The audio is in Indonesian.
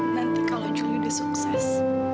nanti kalau juli sukses